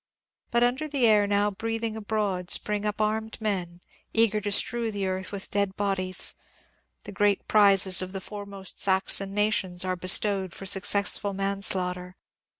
But under the air now breathing abroad spring up armed men, eager to strew the earth with dead bodies. The great prizes of the foremost Saxon nations are bestowed for successful manslaughter.